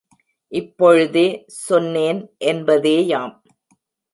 இப்பொழுதே சொன்னேன்! என்பதேயாம்.